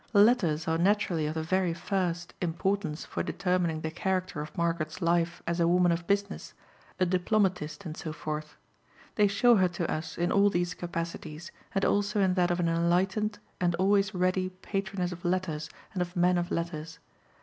The letters are naturally of the very first importance for determining the character of Margaret's life as a woman of business, a diplomatist, and so forth. They show her to us in all these capacities, and also in that of an enlightened and always ready patroness of letters and of men of letters.